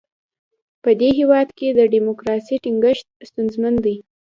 په دې هېواد کې د ډیموکراسۍ ټینګښت ستونزمن دی.